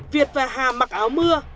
việt và hà mặc áo mưa